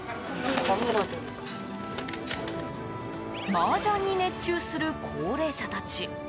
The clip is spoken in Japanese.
マージャンに熱中する高齢者たち。